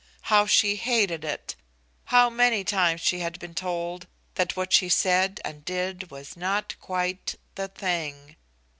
How she hated it! How many times she had been told that what she said and did was not quite "The Thing."